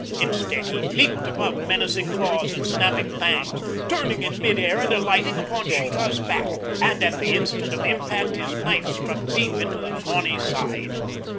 Instead he leaped above menacing claws and snapping fangs, turning in mid air and alighting upon Sheeta's back, and at the instant of impact his knife struck deep into the tawny side.